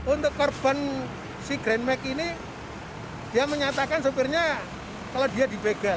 untuk korban si grand mac ini dia menyatakan sopirnya kalau dia dipegal